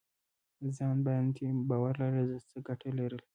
ځان باندې باور لرل څه ګټه لري؟